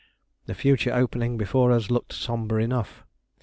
The future opening before us looked sombre enough.